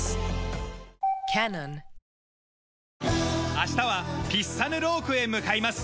明日はピッサヌロークへ向かいます。